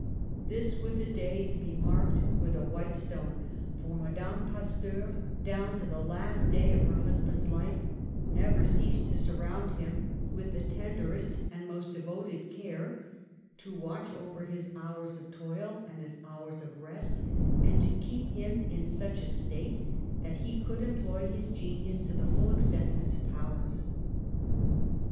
This was a day to be marked 40 PASTEUR with a white stone, for Mme Pasteur, down to the last day of her husband's life, never ceased to surround him with the tenderest and most devoted care, to watch over his hours of toil and his hours of rest, and to keep him in such a state that he could employ his genius to the full extent of its powers.